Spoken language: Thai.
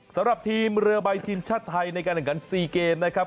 สำหรับทีมเรือใบทีมชาติไทยในการแข่งขัน๔เกมนะครับ